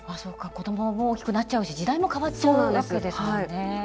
子どもも大きくなっちゃうし時代も変わっちゃうわけですもんね。